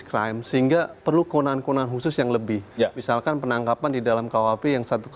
crime sehingga perlu keunangan khusus yang lebih ya misalkan penangkapan di dalam kwp yang satu x dua puluh empat jam